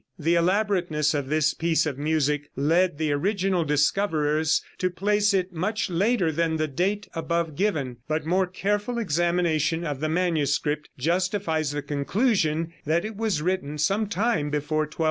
The elaborateness of this piece of music led the original discoverers to place it much later than the date above given, but more careful examination of the manuscript justifies the conclusion that it was written some time before 1240.